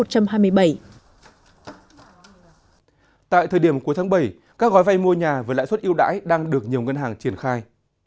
tại thời điểm cuối tháng bảy các gói vay mua nhà với lãi suất yêu đãi đang được nhiều ngân hàng triển khai